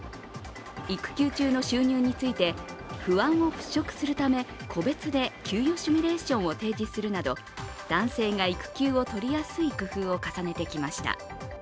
育休中の収入について不安を払拭するため個別で給与シミュレーションを提示するなど、男性が育休をとりやすい工夫を重ねてきました。